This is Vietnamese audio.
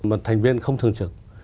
một thành viên không thường trực